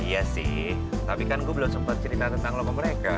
iya sih tapi kan gue belum sempat cerita tentang logo mereka